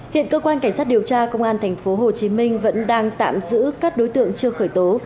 hiện cơ quan cảnh sát điều tra công an tp hcm vẫn đang tạm giữ các đối tượng chưa khởi tố